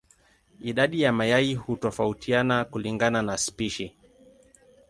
Idadi ya mayai hutofautiana kulingana na spishi.